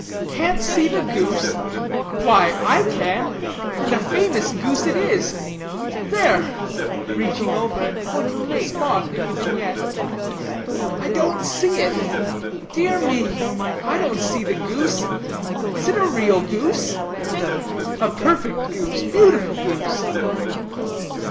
"Can't see the goose? why, I can; and a famous goose it is. There" (reaching over and pointing to a spot in the vignette). "I don't see it dear me I don't see the goose. Is it a real goose?" "A perfect goose; beautiful goose."